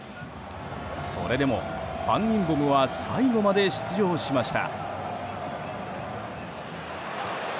それでも、ファン・インボムは最後まで出場しました。